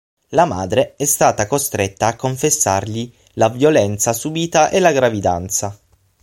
La madre è stata costretta a confessargli la violenza subita e la gravidanza.